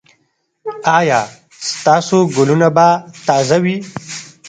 ایا ستاسو ګلونه به تازه وي؟